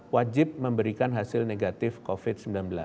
wajib memberikan hasil negatif covid sembilan belas